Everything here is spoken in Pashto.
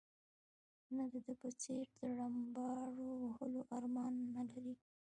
ته د ده په څېر د رمباړو وهلو ارمان نه لرې.